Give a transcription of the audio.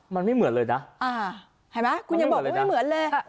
มันไม่เหมือนเลยนะเห็นไหมคุณยังบอกเลยว่าไม่เหมือนเลย